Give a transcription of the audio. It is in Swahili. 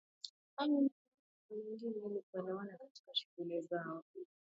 Au mtu mmoja na mwingine ili kuelewana na katikia shughuli zao